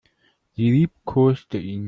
Sie liebkoste ihn.